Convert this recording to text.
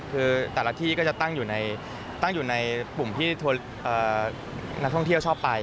คือแต่ละที่ก็จะตั้งอยู่ในปุ่มที่นักท่องเที่ยวชอบไป